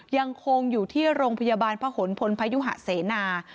ยังคงอยู่ที่โรงพยาบาลพระหลพลพยุหะเสนา